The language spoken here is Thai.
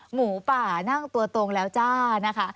หมูป่านั่งตัวตรงแล้วจ้านะคะ